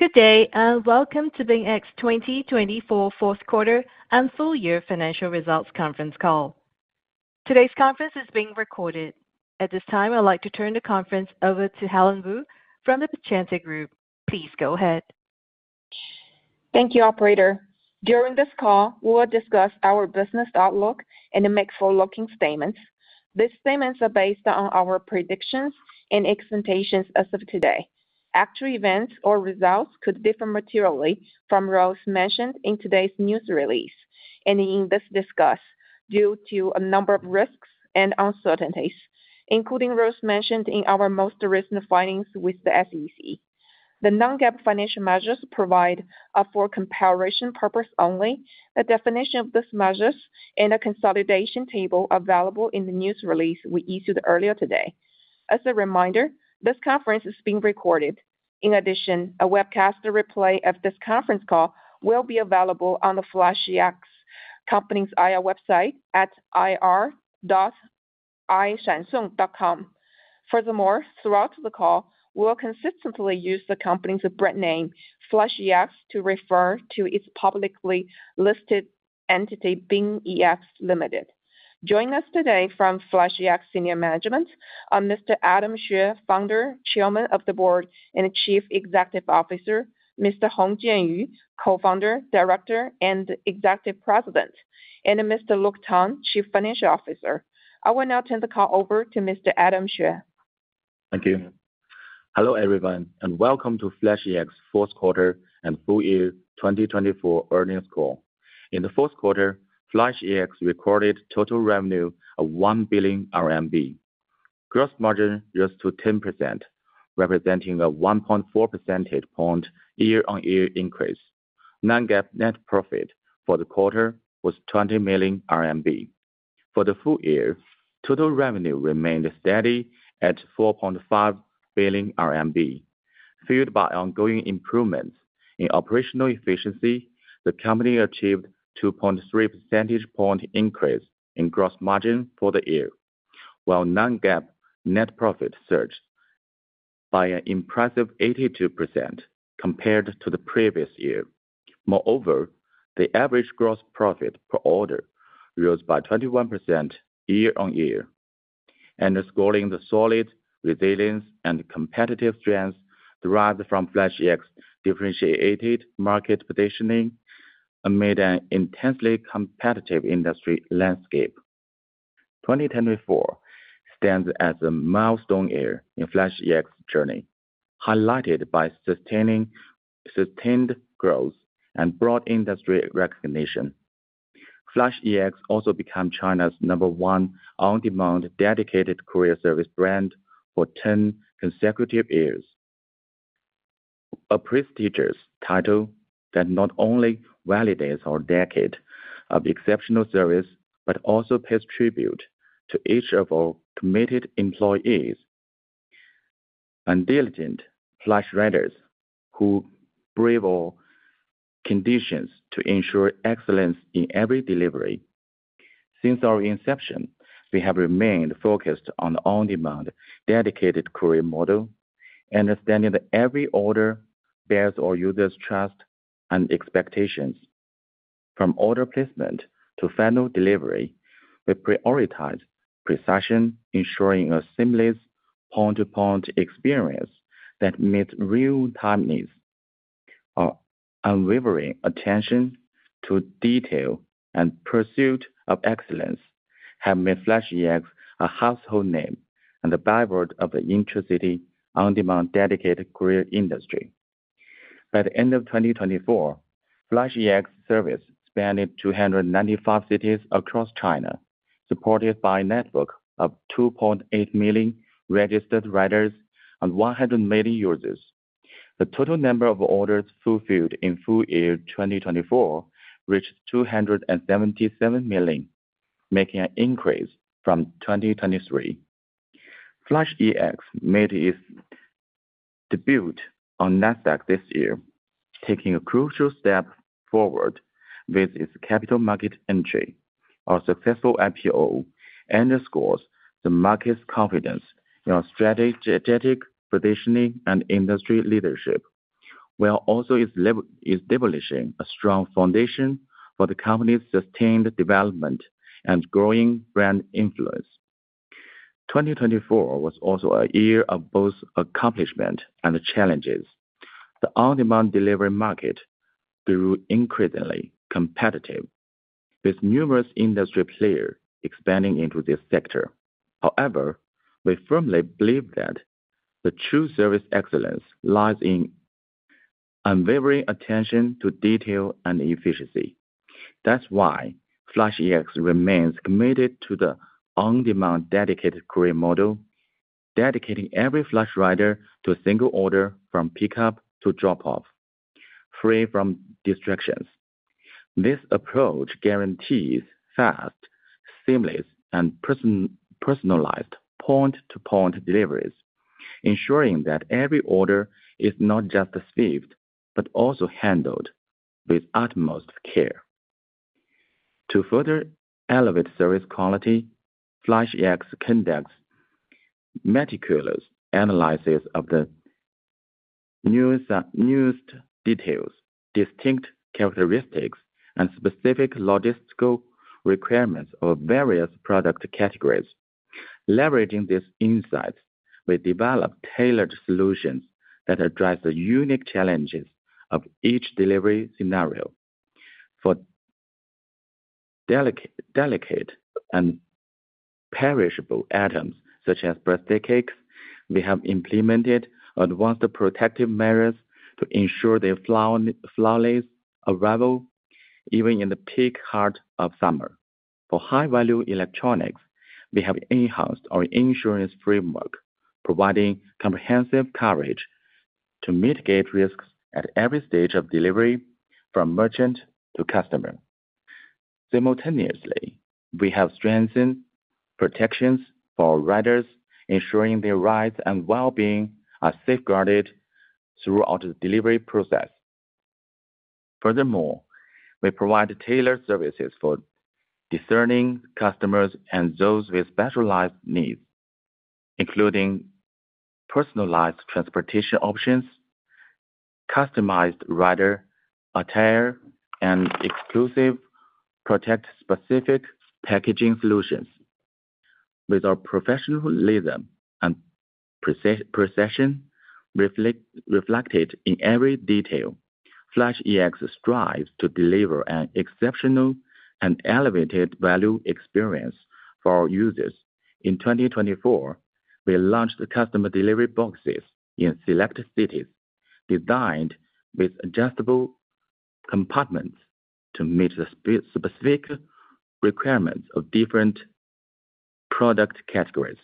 Good day, and welcome to BingEx 2024 Fourth Quarter and Full Year Financial Results Conference Call. Today's conference is being recorded. At this time, I'd like to turn the conference over to Helen Wu from The Piacente Group. Please go ahead. Thank you, Operator. During this call, we'll discuss our business outlook and the make forward-looking statements. These statements are based on our predictions and expectations as of today. Actual events or results could differ materially from those mentioned in today's news release and in this discussion due to a number of risks and uncertainties, including those mentioned in our most recent filings with the SEC. The non-GAAP financial measures provide for comparison purposes only. The definition of these measures and a reconciliation table are available in the news release we issued earlier today. As a reminder, this conference is being recorded. In addition, a webcast replay of this conference call will be available on the FlashEx Company's IR website at ir.ishansong.com. Furthermore, throughout the call, we'll consistently use the company's brand name, FlashEx, to refer to its publicly listed entity, BingEx Limited. Joining us today from FlashEx senior management are Mr. Adam Xue, Founder, Chairman of the Board and Chief Executive Officer, Mr. Hong Jianyu, Co-Founder, Director, and Executive President, and Mr. Luke Tang, Chief Financial Officer. I will now turn the call over to Mr. Adam Xue. Thank you. Hello, everyone, and welcome to FlashEx Fourth Quarter and Full Year 2024 Earnings Call. In the fourth quarter, FlashEx recorded total revenue of 1 billion RMB. Gross margin rose to 10%, representing a 1.4 percentage point year-on-year increase. Non-GAAP net profit for the quarter was 20 million RMB. For the full year, total revenue remained steady at 4.5 billion RMB. Fueled by ongoing improvements in operational efficiency, the company achieved a 2.3 percentage point increase in gross margin for the year, while non-GAAP net profit surged by an impressive 82% compared to the previous year. Moreover, the average gross profit per order rose by 21% year-on-year, underscoring the solid resilience and competitive strength derived from FlashEx's differentiated market positioning amid an intensely competitive industry landscape. 2024 stands as a milestone year in FlashEx's journey, highlighted by sustained growth and broad industry recognition. FlashEx also became China's number one on-demand dedicated courier service brand for ten consecutive years, a prestigious title that not only validates our decade of exceptional service but also pays tribute to each of our committed employees and diligent Flash riders who brave all conditions to ensure excellence in every delivery. Since our inception, we have remained focused on the on-demand dedicated courier model, understanding that every order bears our users' trust and expectations. From order placement to final delivery, we prioritize precision, ensuring a seamless point-to-point experience that meets real-time needs. Our unwavering attention to detail and pursuit of excellence have made FlashEx a household name and a byword of the intercity on-demand dedicated courier industry. By the end of 2024, FlashEx service spanned 295 cities across China, supported by a network of 2.8 million registered riders and 100 million users. The total number of orders fulfilled in full year 2024 reached 277 million, making an increase from 2023. FlashEx made its debut on Nasdaq this year, taking a crucial step forward with its capital market entry. Our successful IPO underscores the market's confidence in our strategic positioning and industry leadership, while also establishing a strong foundation for the company's sustained development and growing brand influence. 2024 was also a year of both accomplishment and challenges. The on-demand delivery market grew increasingly competitive, with numerous industry players expanding into this sector. However, we firmly believe that the true service excellence lies in unwavering attention to detail and efficiency. That's why FlashEx remains committed to the on-demand dedicated courier model, dedicating every flash rider to a single order from pickup to drop-off, free from distractions. This approach guarantees fast, seamless, and personalized point-to-point deliveries, ensuring that every order is not just received but also handled with utmost care. To further elevate service quality, FlashEx conducts meticulous analysis of the nuanced details, distinct characteristics, and specific logistical requirements of various product categories. Leveraging these insights, we develop tailored solutions that address the unique challenges of each delivery scenario. For delicate and perishable items such as birthday cakes, we have implemented advanced protective measures to ensure their flawless arrival even in the peak heart of summer. For high-value electronics, we have enhanced our insurance framework, providing comprehensive coverage to mitigate risks at every stage of delivery from merchant to customer. Simultaneously, we have strengthened protections for riders, ensuring their rights and well-being are safeguarded throughout the delivery process. Furthermore, we provide tailored services for discerning customers and those with specialized needs, including personalized transportation options, customized rider attire, and exclusive product-specific packaging solutions. With our professionalism and precision reflected in every detail, FlashEx strives to deliver an exceptional and elevated value experience for our users. In 2024, we launched customer delivery boxes in select cities designed with adjustable compartments to meet the specific requirements of different product categories.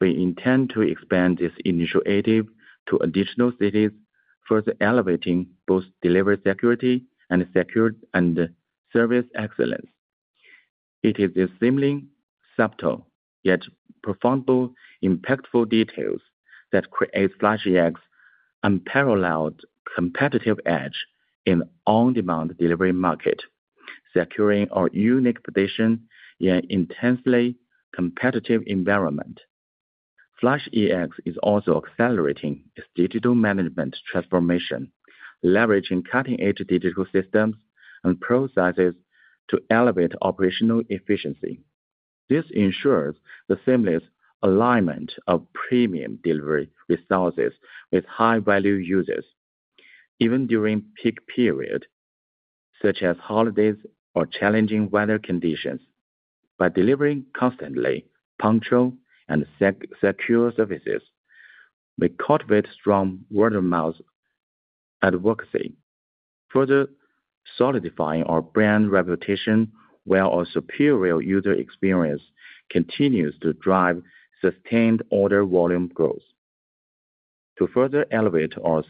We intend to expand this initiative to additional cities, further elevating both delivery security and service excellence. It is the seemingly subtle yet profoundly impactful details that create FlashEx's unparalleled competitive edge in the on-demand delivery market, securing our unique position in an intensely competitive environment. FlashEx is also accelerating its digital management transformation, leveraging cutting-edge digital systems and processes to elevate operational efficiency. This ensures the seamless alignment of premium delivery resources with high-value users, even during peak periods such as holidays or challenging weather conditions. By delivering constantly punctual and secure services, we coupled with strong word-of-mouth advocacy, further solidifying our brand reputation while our superior user experience continues to drive sustained order volume growth. To further elevate our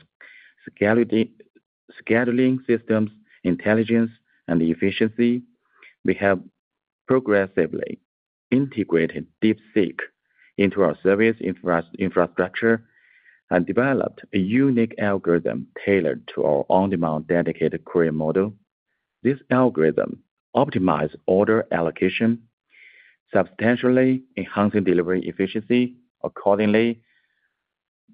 scheduling system's intelligence and efficiency, we have progressively integrated DeepSeek into our service infrastructure and developed a unique algorithm tailored to our on-demand dedicated courier model. This algorithm optimized order allocation, substantially enhancing delivery efficiency. Accordingly,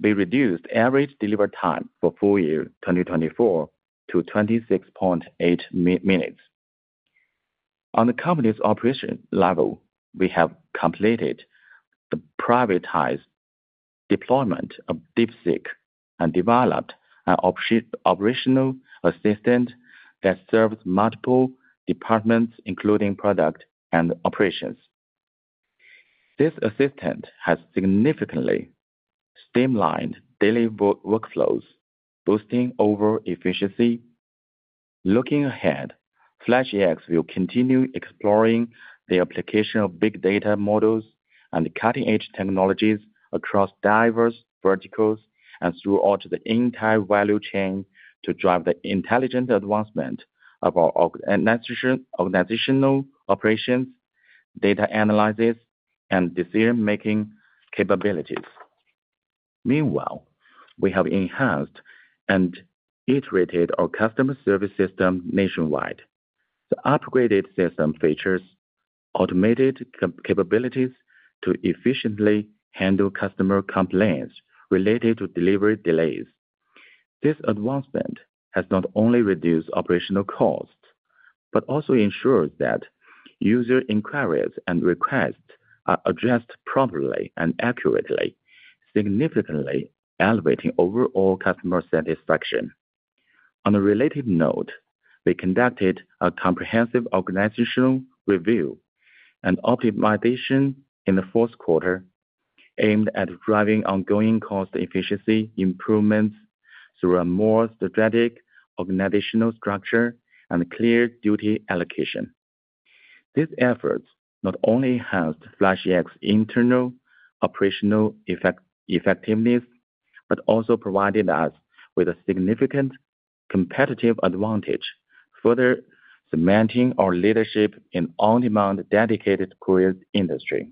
we reduced average delivery time for full year 2024 to 26.8 minutes. On the company's operation level, we have completed the privatized deployment of DeepSeek and developed an operational assistant that serves multiple departments, including product and operations. This assistant has significantly streamlined daily workflows, boosting overall efficiency. Looking ahead, FlashEx will continue exploring the application of big data models and cutting-edge technologies across diverse verticals and throughout the entire value chain to drive the intelligent advancement of our organizational operations, data analysis, and decision-making capabilities. Meanwhile, we have enhanced and iterated our customer service system nationwide. The upgraded system features automated capabilities to efficiently handle customer complaints related to delivery delays. This advancement has not only reduced operational costs but also ensures that user inquiries and requests are addressed properly and accurately, significantly elevating overall customer satisfaction. On a related note, we conducted a comprehensive organizational review and optimization in the fourth quarter aimed at driving ongoing cost efficiency improvements through a more strategic organizational structure and clear duty allocation. These efforts not only enhanced FlashEx's internal operational effectiveness but also provided us with a significant competitive advantage, further cementing our leadership in the on-demand dedicated courier industry.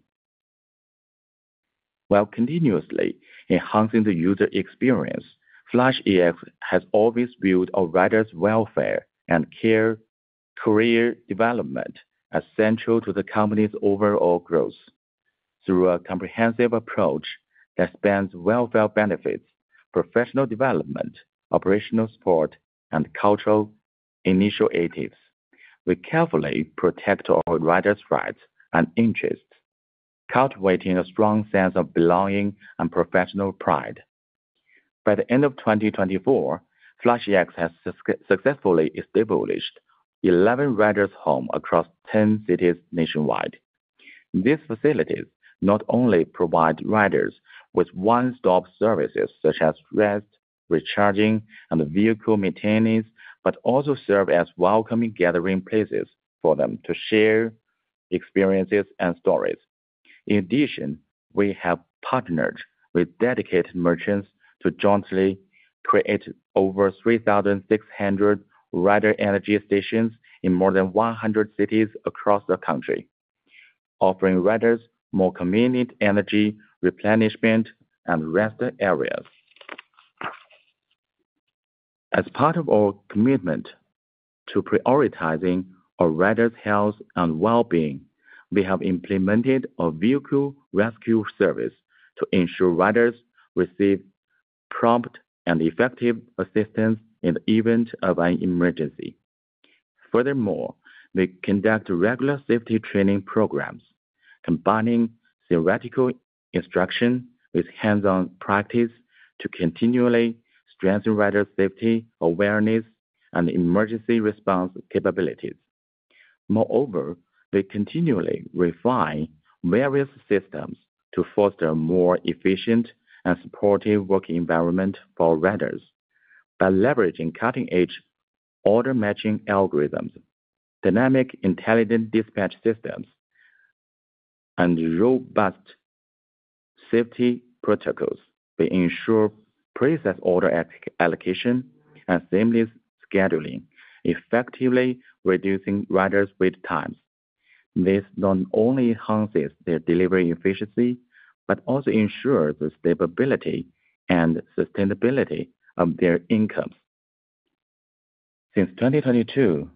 While continuously enhancing the user experience, FlashEx has always viewed our riders' welfare and career development as central to the company's overall growth. Through a comprehensive approach that spans welfare benefits, professional development, operational support, and cultural initiatives, we carefully protect our riders' rights and interests, cultivating a strong sense of belonging and professional pride. By the end of 2024, FlashEx has successfully established 11 riders' homes across 10 cities nationwide. These facilities not only provide riders with one-stop services such as rest, recharging, and vehicle maintenance but also serve as welcoming gathering places for them to share experiences and stories. In addition, we have partnered with dedicated merchants to jointly create over 3,600 rider energy stations in more than 100 cities across the country, offering riders more convenient energy replenishment and rest areas. As part of our commitment to prioritizing our riders' health and well-being, we have implemented a vehicle rescue service to ensure riders receive prompt and effective assistance in the event of an emergency. Furthermore, we conduct regular safety training programs, combining theoretical instruction with hands-on practice to continually strengthen rider safety awareness and emergency response capabilities. Moreover, we continually refine various systems to foster a more efficient and supportive working environment for riders. By leveraging cutting-edge order matching algorithms, dynamic intelligent dispatch systems, and robust safety protocols, we ensure precise order allocation and seamless scheduling, effectively reducing riders' wait times. This not only enhances their delivery efficiency but also ensures the stability and sustainability of their incomes. Since 2022,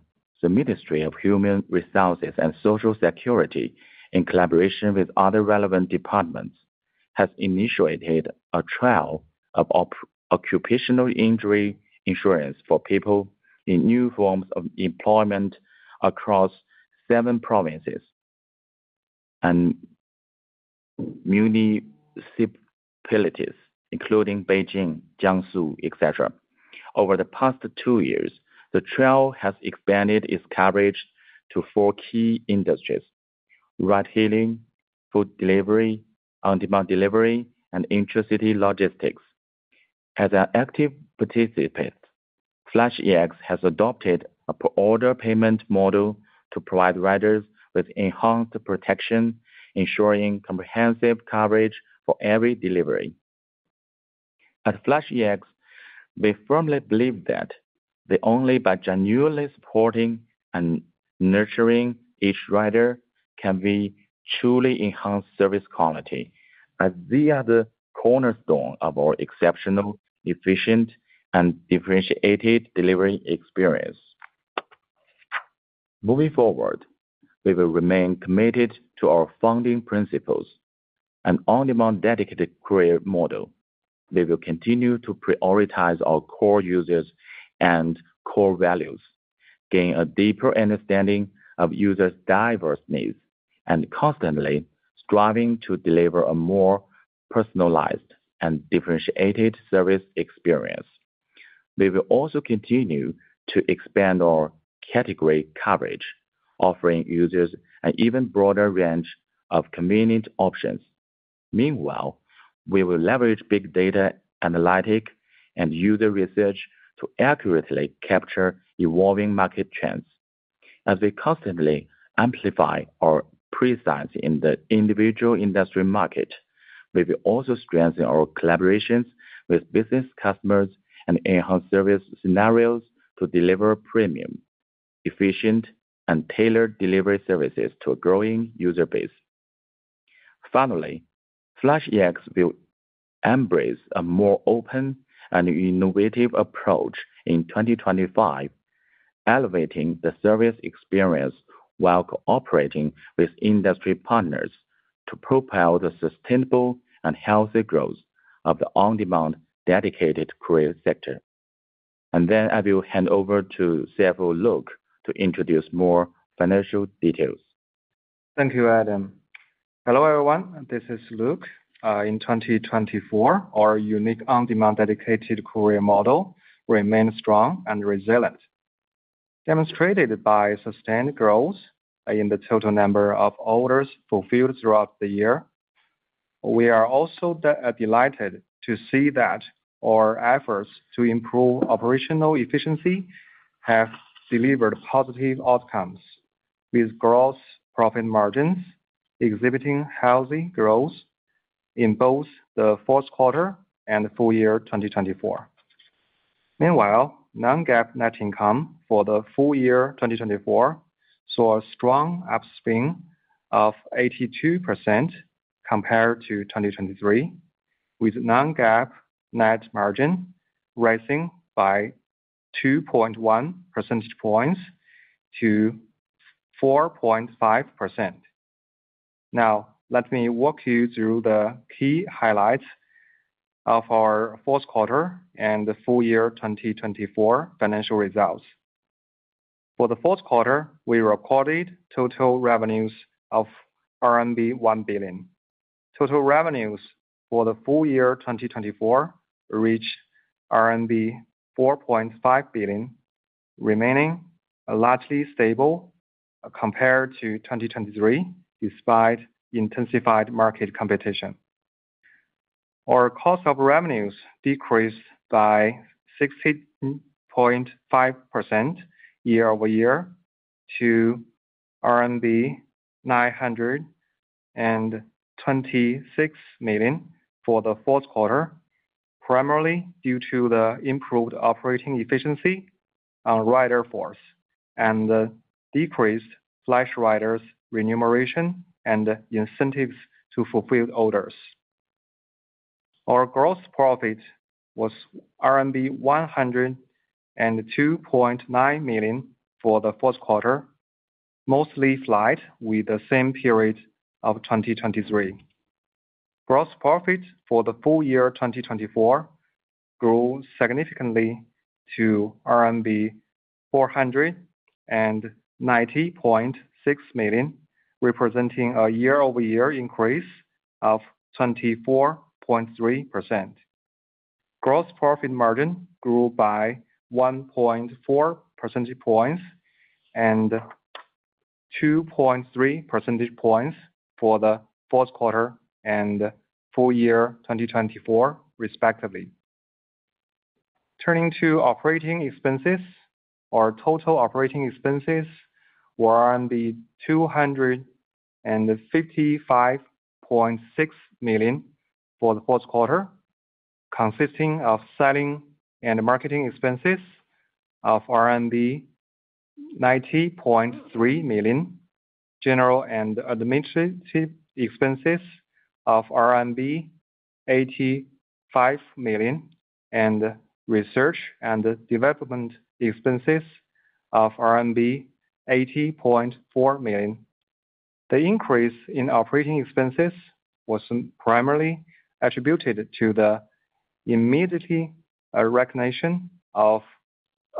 the Ministry of Human Resources and Social Security, in collaboration with other relevant departments, has initiated a trial of occupational injury insurance for people in new forms of employment across seven provinces and municipalities, including Beijing, Jiangsu, etc. Over the past two years, the trial has expanded its coverage to four key industries: ride-hailing, food delivery, on-demand delivery, and intercity logistics. As an active participant, FlashEx has adopted a per-order payment model to provide riders with enhanced protection, ensuring comprehensive coverage for every delivery. At FlashEx, we firmly believe that only by genuinely supporting and nurturing each rider can we truly enhance service quality, as they are the cornerstone of our exceptional, efficient, and differentiated delivery experience. Moving forward, we will remain committed to our founding principles and on-demand dedicated courier model. We will continue to prioritize our core users and core values, gain a deeper understanding of users' diverse needs, and constantly strive to deliver a more personalized and differentiated service experience. We will also continue to expand our category coverage, offering users an even broader range of convenient options. Meanwhile, we will leverage big data analytics and user research to accurately capture evolving market trends. As we constantly amplify our presence in the individual industry market, we will also strengthen our collaborations with business customers and enhance service scenarios to deliver premium, efficient, and tailored delivery services to a growing user base. Finally, FlashEx will embrace a more open and innovative approach in 2025, elevating the service experience while cooperating with industry partners to propel the sustainable and healthy growth of the on-demand dedicated courier sector. I will hand over to Luke Tang to introduce more financial details. Thank you, Adam. Hello everyone. This is Luke. In 2024, our unique on-demand dedicated courier model remains strong and resilient, demonstrated by sustained growth in the total number of orders fulfilled throughout the year. We are also delighted to see that our efforts to improve operational efficiency have delivered positive outcomes, with gross profit margins exhibiting healthy growth in both the fourth quarter and Full Year 2024. Meanwhile, non-GAAP net income for the Full Year 2024 saw a strong upswing of 82% compared to 2023, with non-GAAP net margin rising by 2.1 percentage points to 4.5%. Now, let me walk you through the key highlights of our fourth quarter and the Full Year 2024 financial results. For the fourth quarter, we recorded total revenues of RMB 1 billion. Total revenues for the Full Year 2024 reached RMB 4.5 billion, remaining largely stable compared to 2023 despite intensified market competition. Our cost of revenues decreased by 16.5% year-over-year to 926 million for the fourth quarter, primarily due to the improved operating efficiency on rider force and the decreased FlashEx riders' remuneration and incentives to fulfill orders. Our gross profit was RMB 102.9 million for the fourth quarter, mostly flat with the same period of 2023. Gross profit for the Full Year 2024 grew significantly to RMB 490.6 million, representing a year-over-year increase of 24.3%. Gross profit margin grew by 1.4 percentage points and 2.3 percentage points for the fourth quarter and full year 2024, respectively. Turning to operating expenses, our total operating expenses were 255.6 million for the fourth quarter, consisting of selling and marketing expenses of 90.3 million, general and administrative expenses of 85 million, and research and development expenses of 80.4 million. The increase in operating expenses was primarily attributed to the immediate recognition of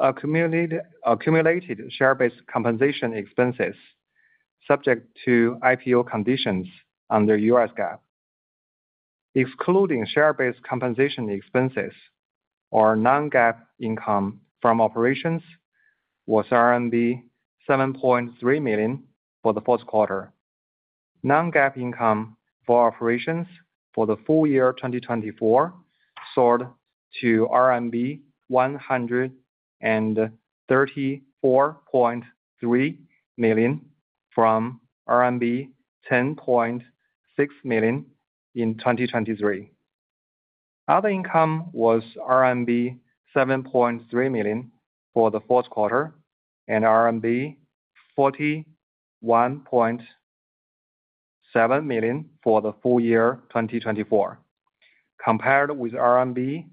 accumulated share-based compensation expenses subject to IPO conditions under U.S. GAAP. Excluding share-based compensation expenses, our non-GAAP income from operations was RMB 7.3 million for the fourth quarter. Non-GAAP income from operations for the full year 2024 soared to RMB 134.3 million from RMB 10.6 million in 2023. Other income was RMB 7.3 million for the fourth quarter and RMB 41.7 million for the full year 2024, compared with RMB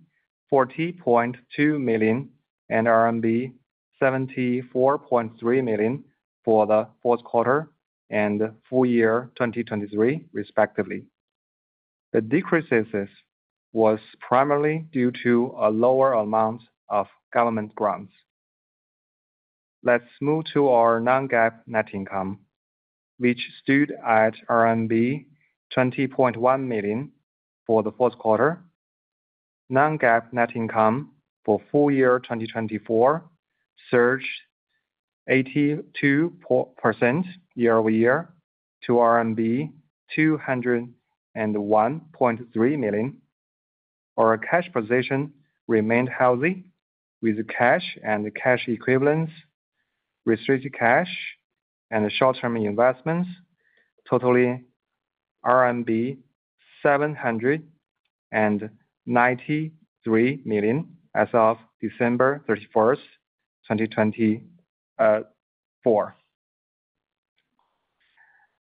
40.2 million and RMB 74.3 million for the fourth quarter and full year 2023, respectively. The decrease was primarily due to a lower amount of government grants. Let's move to our non-GAAP net income, which stood at RMB 20.1 million for the fourth quarter. Non-GAAP net income for full year 2024 surged 82% year-over-year to RMB 201.3 million. Our cash position remained healthy, with cash and cash equivalents, restricted cash, and short-term investments totaling RMB 793 million as of December 31, 2024.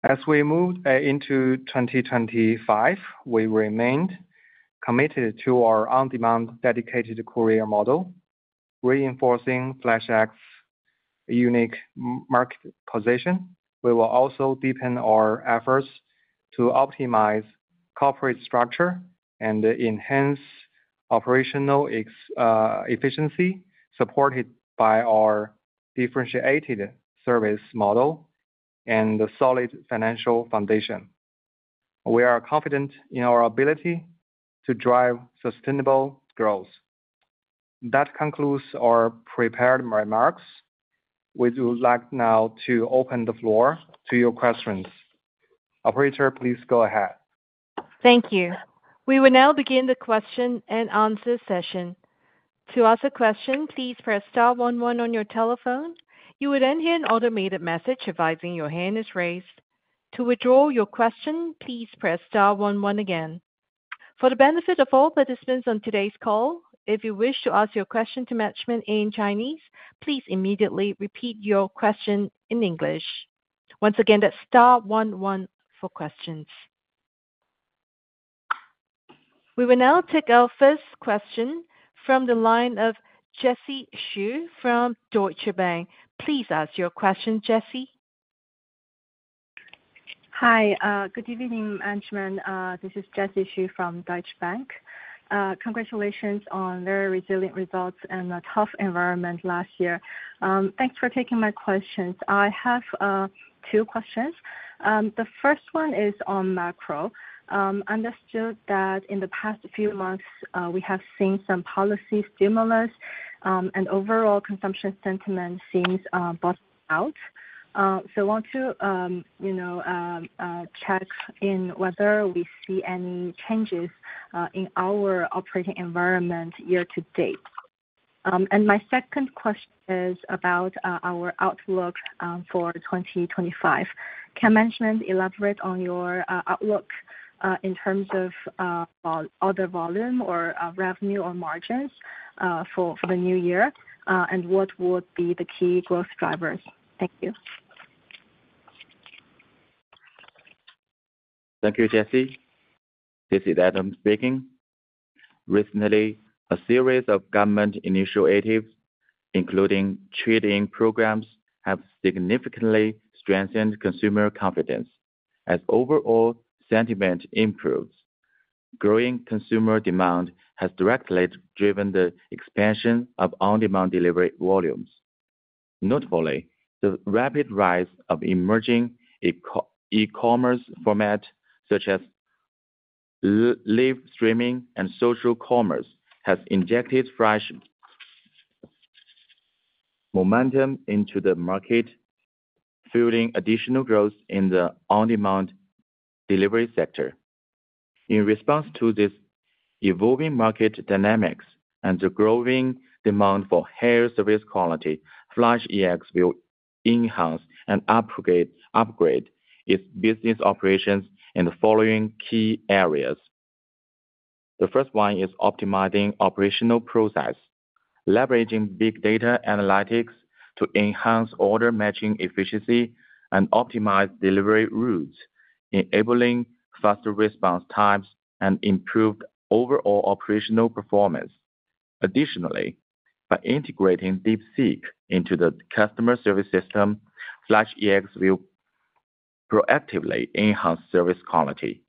As we moved into 2025, we remained committed to our on-demand dedicated courier model, reinforcing FlashEx's unique market position. We will also deepen our efforts to optimize corporate structure and enhance operational efficiency, supported by our differentiated service model and a solid financial foundation. We are confident in our ability to drive sustainable growth. That concludes our prepared remarks. We would like now to open the floor to your questions. Operator, please go ahead. Thank you. We will now begin the question and answer session. To ask a question, please press star one one on your telephone. You will then hear an automated message advising your hand is raised. To withdraw your question, please press star one one again. For the benefit of all participants on today's call, if you wish to ask your question to management in Chinese, please immediately repeat your question in English. Once again, that's star one one for questions. We will now take our first question from the line of Jessie Xu from Deutsche Bank. Please ask your question, Jessie. Hi. Good evening, Management. This is Jessie Xu from Deutsche Bank. Congratulations on very resilient results and a tough environment last year. Thanks for taking my questions. I have two questions. The first one is on macro. Understood that in the past few months, we have seen some policy stimulus, and overall consumption sentiment seems bottomed out. I want to check in whether we see any changes in our operating environment year to date. My second question is about our outlook for 2025. Can Management elaborate on your outlook in terms of order volume or revenue or margins for the new year, and what would be the key growth drivers? Thank you. Thank you, Jessie. This is Adam speaking. Recently, a series of government initiatives, including consumption stimulus programs, have significantly strengthened consumer confidence as overall sentiment improves. Growing consumer demand has directly driven the expansion of on-demand delivery volumes. Notably, the rapid rise of emerging e-commerce formats such as live streamlining and social commerce has injected fresh momentum into the market, fueling additional growth in the on-demand delivery sector. In response to these evolving market dynamics and the growing demand for higher service quality, FlashEx will enhance and upgrade its business operations in the following key areas. The first one is optimizing operational process, leveraging big data analytics to enhance order matching efficiency and optimize delivery routes, enabling faster response times and improved overall operational performance. Additionally, by integrating DeepSeek into the customer service system, FlashEx will proactively enhance service quality,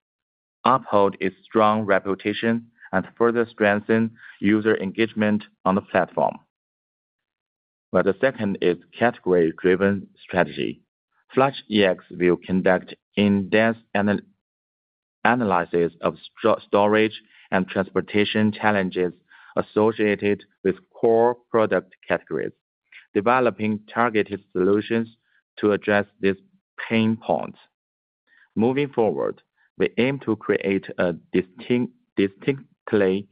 uphold its strong reputation, and further strengthen user engagement on the platform. The second is category-driven strategy. FlashEx will conduct in-depth analysis of storage and transportation challenges associated with core product categories, developing targeted solutions to address these pain points. Moving forward, we aim to create a distinctly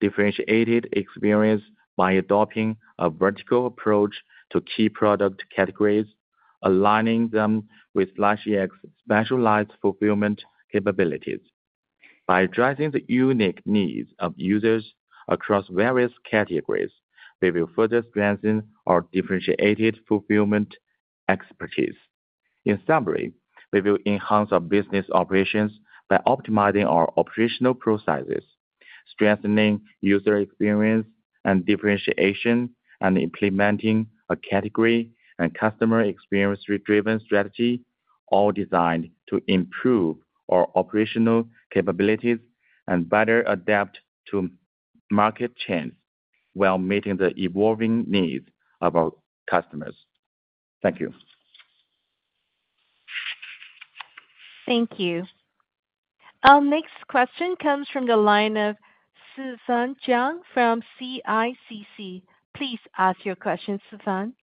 differentiated experience by adopting a vertical approach to key product categories, aligning them with FlashEx's specialized fulfillment capabilities. By addressing the unique needs of users across various categories, we will further strengthen our differentiated fulfillment expertise. In summary, we will enhance our business operations by optimizing our operational processes, strengthening user experience and differentiation, and implementing a category and customer experience-driven strategy, all designed to improve our operational capabilities and better adapt to market trends while meeting the evolving needs of our customers. Thank you. Thank you. Our next question comes from the line of Susan Jiang from CICC. Please ask your question, Susan.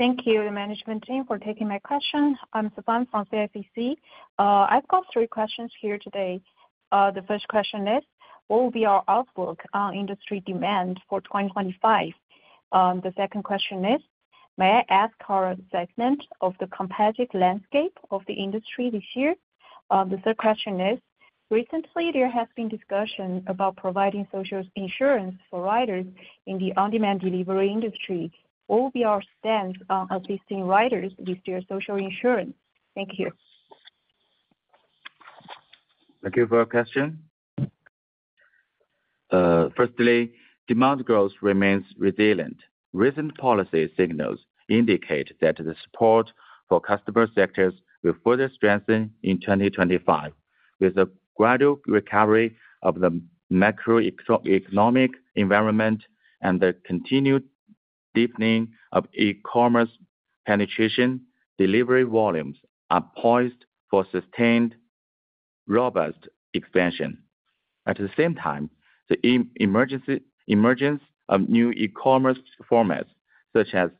Thank you, the management team, for taking my question. I'm Susan from CICC. I've got three questions here today. The first question is, what will be our outlook on industry demand for 2025? The second question is, may I ask our assessment of the competitive landscape of the industry this year? The third question is, recently, there has been discussion about providing social insurance for riders in the on-demand delivery industry. What will be our stance on assisting riders with their social insurance? Thank you. Thank you for your question. Firstly, demand growth remains resilient. Recent policy signals indicate that the support for customer sectors will further strengthen in 2025, with a gradual recovery of the macroeconomic environment and the continued deepening of e-commerce penetration. Delivery volumes are poised for sustained, robust expansion. At the same time, the emergence of new e-commerce formats, such as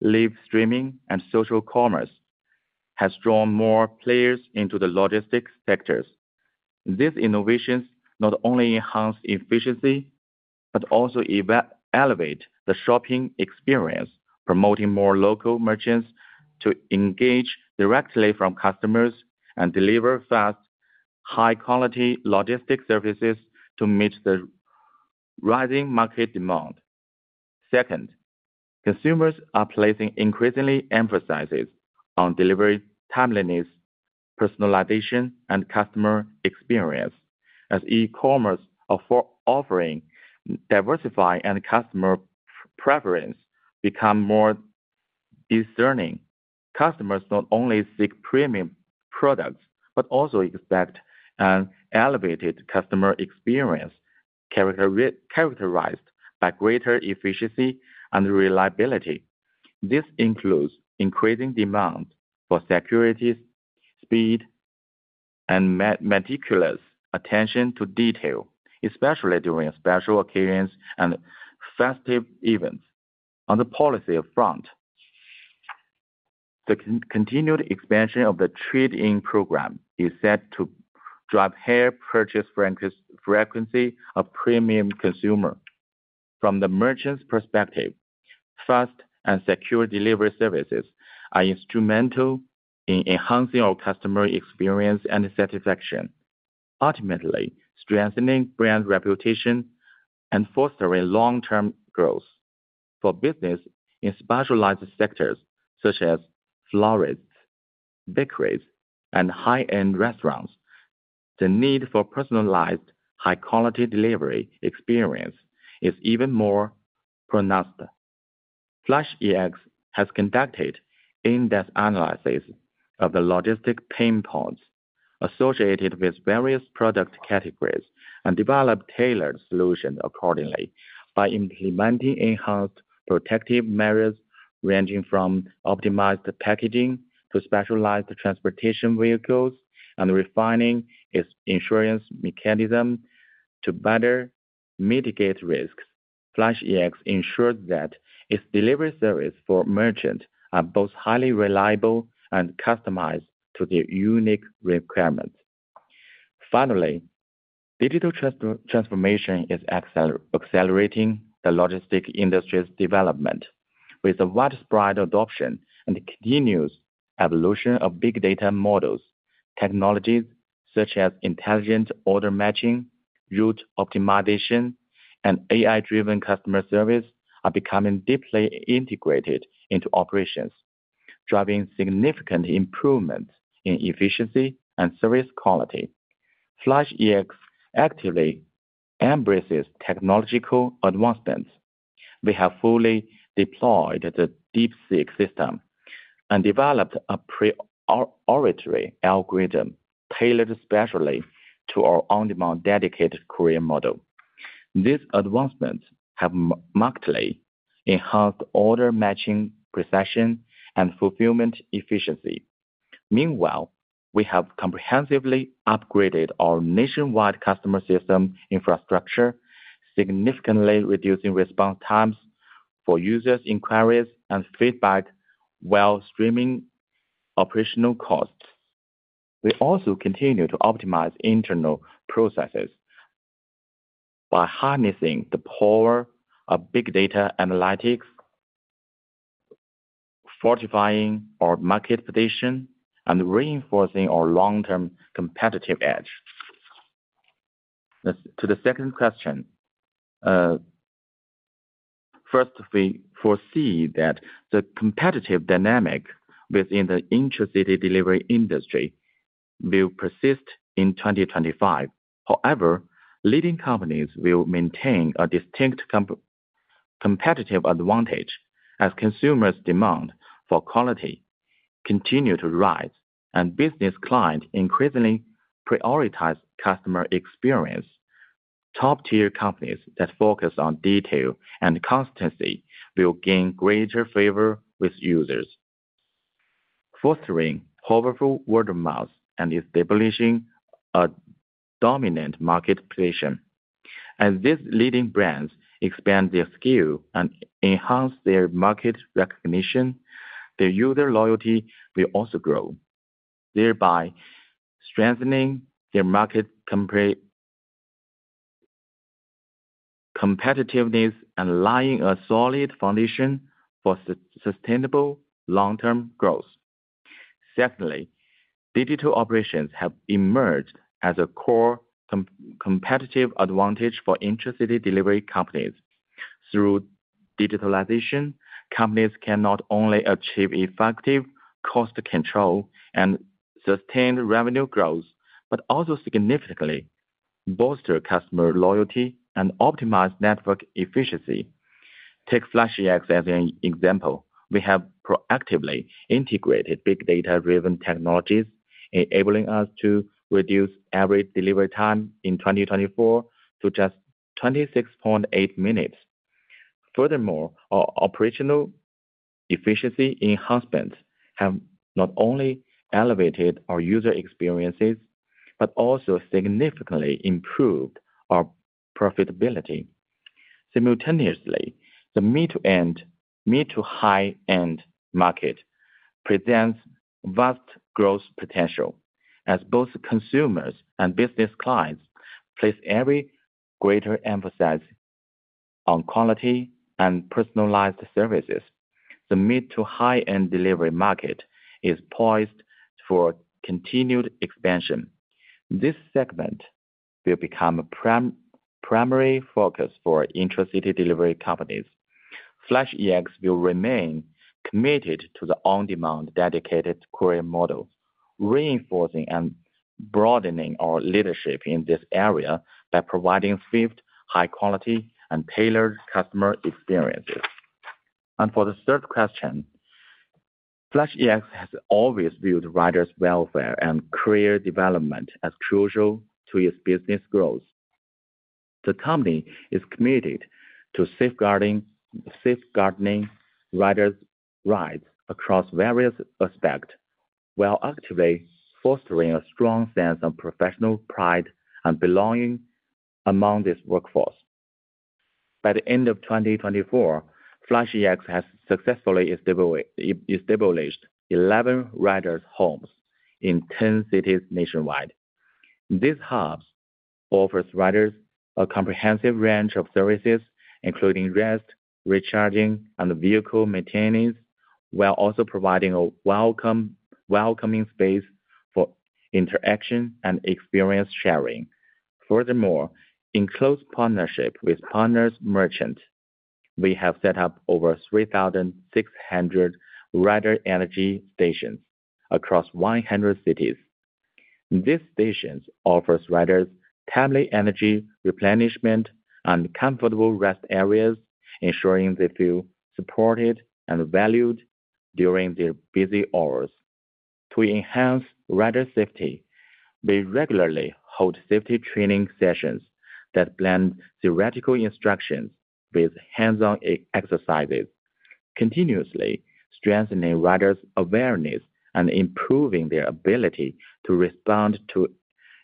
live streaming and social commerce, has drawn more players into the logistics sectors. These innovations not only enhance efficiency but also elevate the shopping experience, promoting more local merchants to engage directly with customers and deliver fast, high-quality logistics services to meet the rising market demand. Second, consumers are placing increasing emphasis on delivery timeliness, personalization, and customer experience as e-commerce offerings diversify and customer preferences become more discerning. Customers not only seek premium products but also expect an elevated customer experience characterized by greater efficiency and reliability. This includes increasing demand for security, speed, and meticulous attention to detail, especially during special occasions and festive events. On the policy front, the continued expansion of the trade in program is set to drive higher purchase frequency of premium consumers. From the merchant's perspective, fast and secure delivery services are instrumental in enhancing our customer experience and satisfaction, ultimately strengthening brand reputation and fostering long-term growth. For businesses in specialized sectors such as florists, bakeries, and high-end restaurants, the need for personalized, high-quality delivery experience is even more pronounced. FlashEx has conducted in-depth analysis of the logistics pain points associated with various product categories and developed tailored solutions accordingly by implementing enhanced protective measures ranging from optimized packaging to specialized transportation vehicles and refining its insurance mechanism to better mitigate risks. FlashEx ensures that its delivery service for merchants are both highly reliable and customized to their unique requirements. Finally, digital transformation is accelerating the logistics industry's development. With the widespread adoption and continuous evolution of big data models, technologies such as intelligent order matching, route optimization, and AI-driven customer service are becoming deeply integrated into operations, driving significant improvements in efficiency and service quality. FlashEx actively embraces technological advancements. We have fully deployed the DeepSeek system and developed a proprietary algorithm tailored specially to our on-demand dedicated courier model. These advancements have markedly enhanced order matching precission and fulfillment efficiency. Meanwhile, we have comprehensively upgraded our nationwide customer system infrastructure, significantly reducing response times for users' inquiries and feedback while streaming operational costs. We also continue to optimize internal processes by harnessing the power of big data analytics, fortifying our market position, and reinforcing our long-term competitive edge. To the second question, first, we foresee that the competitive dynamic within the intercity delivery industry will persist in 2025. However, leading companies will maintain a distinct competitive advantage as consumers' demand for quality continues to rise and business clients increasingly prioritize customer experience. Top-tier companies that focus on detail and consistency will gain greater favor with users. Fostering powerful word of mouth and establishing a dominant market position, as these leading brands expand their scale and enhance their market recognition, their user loyalty will also grow, thereby strengthening their market competitiveness and laying a solid foundation for sustainable long-term growth. Secondly, digital operations have emerged as a core competitive advantage for intercity delivery companies. Through digitalization, companies can not only achieve effective cost control and sustained revenue growth but also significantly bolster customer loyalty and optimize network efficiency. Take FlashEx as an example. We have proactively integrated big data-driven technologies, enabling us to reduce average delivery time in 2024 to just 26.8 minutes. Furthermore, our operational efficiency enhancements have not only elevated our user experiences but also significantly improved our profitability. Simultaneously, the mid-to-high-end market presents vast growth potential as both consumers and business clients place ever greater emphasis on quality and personalized services. The mid-to-high-end delivery market is poised for continued expansion. This segment will become a primary focus for intercity delivery companies. FlashEx will remain committed to the on-demand dedicated courier model, reinforcing and broadening our leadership in this area by providing fast, high-quality, and tailored customer experiences. For the third question, FlashEx has always viewed riders' welfare and career development as crucial to its business growth. The company is committed to safeguarding riders' rights across various aspects while actively fostering a strong sense of professional pride and belonging among this workforce. By the end of 2024, FlashEx has successfully established 11 riders' homes in 10 cities nationwide. These hubs offer riders a comprehensive range of services, including rest, recharging, and vehicle maintenance, while also providing a welcoming space for interaction and experience sharing. Furthermore, in close partnership with partner merchants, we have set up over 3,600 rider energy stations across 100 cities. These stations offer riders timely energy replenishment and comfortable rest areas, ensuring they feel supported and valued during their busy hours. To enhance rider safety, we regularly hold safety training sessions that blend theoretical instructions with hands-on exercises, continuously strengthening riders' awareness and improving their ability to respond to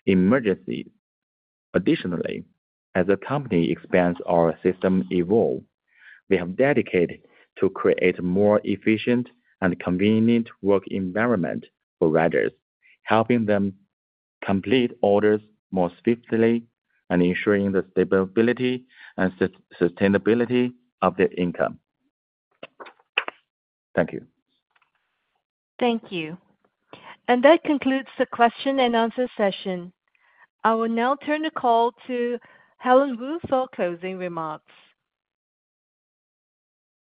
emergencies. Additionally, as the company expands, our systems evolve. We have dedicated ourselves to creating a more efficient and convenient work environment for riders, helping them complete orders more swiftly and ensuring the stability and sustainability of their income. Thank you. Thank you. That concludes the question and answer session. I will now turn the call to Helen Wu for closing remarks.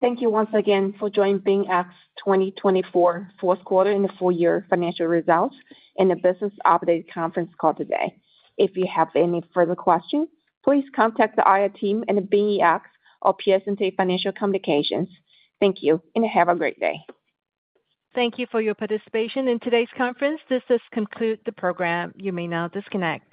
Thank you once again for joining BingEx 2024, Fourth Quarter and the Full-Year financial results in the Business Update conference call today. If you have any further questions, please contact the IR team and BingEx or Piacente Financial Communications. Thank you, and have a great day. Thank you for your participation in today's conference. This does conclude the program. You may now disconnect.